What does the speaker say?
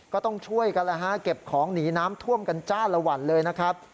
ก็ต้องช่วยกันแล้วฮะเก็บของหนีน้ำท่วมกันจ้าละวันเลยนะครับ